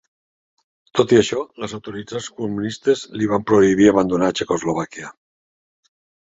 Tot i això, les autoritats comunistes li van prohibir abandonar Txecoslovàquia.